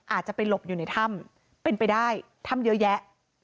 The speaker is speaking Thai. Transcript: อาจจะไปหลบอยู่ในถ้ำเป็นไปได้ถ้ำเยอะแยะ